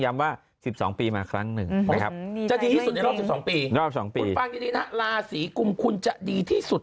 ย้ำว่า๑๒ปีมาครั้งหนึ่งครับรอบ๑๒ปีราศีกุมคุณจะดีที่สุด